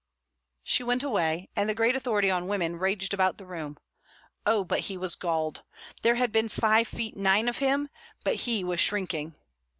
She went away, and the great authority on women raged about the room. Oh, but he was galled! There had been five feet nine of him, but he was shrinking.